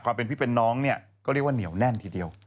พี่เป็นน้องเนี่ยก็เรียกว่าเหนียวแน่นทีเดียว